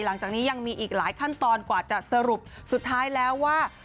หลังจากนี้ยังมีอีกหลายขั้นตอนกว่าจะสรุปสุดท้ายแล้วว่า